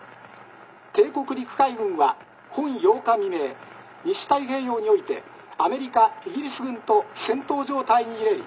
帝国陸海軍は本８日未明西太平洋においてアメリカイギリス軍と戦闘状態に入れり」。